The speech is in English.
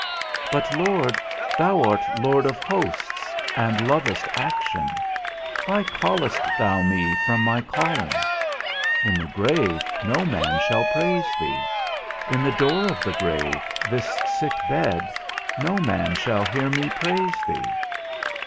But, Lord, thou art Lord of hosts, and lovest action; why callest thou me from my calling? In the grave no man shall praise thee; in the door of the grave, this sick bed, no man shall hear me praise thee.